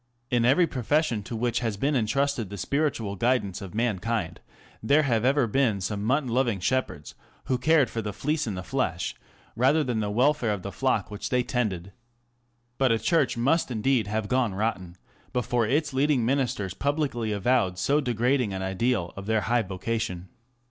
In every profession to which has been entrusted the spiritual guidance of mankind, there have ever been some mutton loving shepherds who cared for the fleece and the flesh rather than the welfare of the flock which they tended. But a church must indeed have gone rotten before its leading ministers publicly avowed so degrading an ideal of their high vocation.